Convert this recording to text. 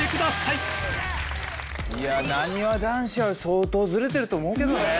いやなにわ男子は相当ずれてると思うけどね。